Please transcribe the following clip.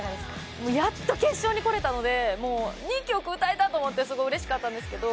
もう、やっと決勝に来れたので、もう２曲歌えたと思って、すごいうれしかったんですけど。